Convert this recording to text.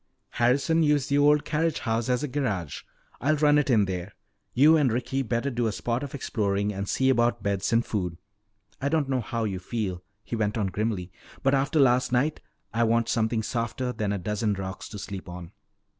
"Harrison used the old carriage house as a garage. I'll run it in there. You and Ricky better do a spot of exploring and see about beds and food. I don't know how you feel," he went on grimly, "but after last night I want something softer than a dozen rocks to sleep on."